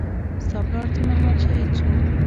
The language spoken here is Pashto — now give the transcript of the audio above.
ستا پلار څه مهال شهيد سو.